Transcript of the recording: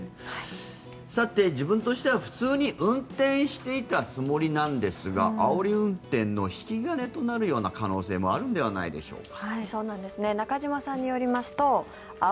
さて、自分としては普通に運転していたつもりなんですがあおり運転の引き金となるような可能性もあるんじゃないでしょうか。